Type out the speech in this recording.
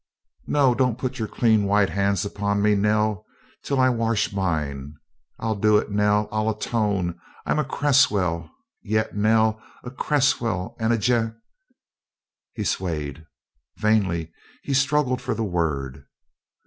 No, don't put your clean white hands upon me, Nell, till I wash mine. I'll do it, Nell; I'll atone. I'm a Cresswell yet, Nell, a Cresswell and a gen " He swayed. Vainly he struggled for the word.